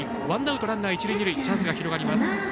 ワンアウトランナー、一塁二塁チャンスが広がります。